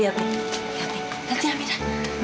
liat nih liat nih aminah